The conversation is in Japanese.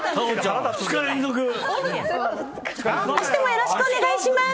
よろしくお願いします。